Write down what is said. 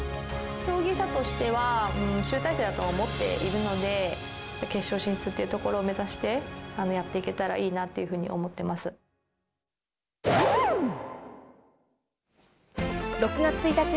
競技者としては集大成だと思っているので、決勝進出っていうところを目指してやっていけたらいいなっていう使い方で選べるキッチンボード。